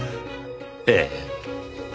ええ。